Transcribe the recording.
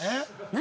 何？